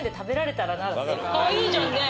かわいいじゃんね？